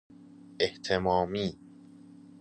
اهتمامی